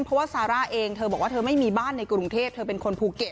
เพราะว่าซาร่าบอกว่าไม่มีบ้านในกรุงเทพที่เป็นคนภูเกต